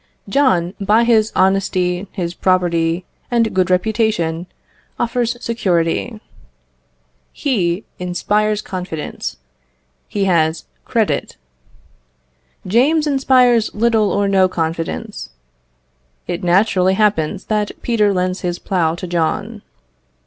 John, by his honesty, his property, and good reputation, offers security. He inspires confidence; he has credit. James inspires little or no confidence. It naturally happens that Peter lends his plough to John.